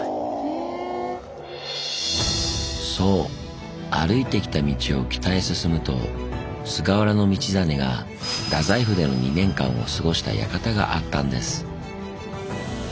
そう歩いてきた道を北へ進むと菅原道真が大宰府での２年間を過ごした館があったんです。